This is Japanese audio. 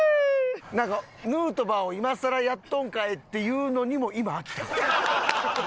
なんかヌートバーを今更やっとんかいっていうのにも今飽きた。